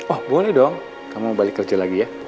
oh boleh dong kamu balik kerja lagi ya